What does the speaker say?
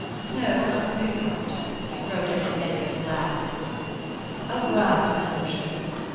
"No, I suppose not," Rhoda admitted with a laugh. "A word of caution.